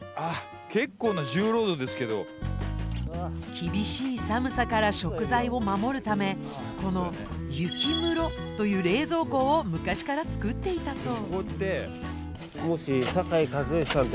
厳しい寒さから食材を守るためこの雪室という冷蔵庫を昔から作っていたそう。